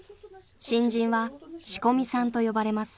［新人は仕込みさんと呼ばれます］